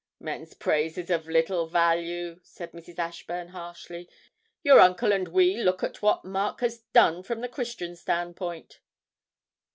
'Men's praise is of little value,' said Mrs. Ashburn, harshly. 'Your uncle and we look at what Mark has done from the Christian's standpoint.'